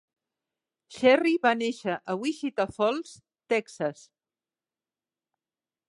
Cherry va néixer a Wichita Falls, Texas.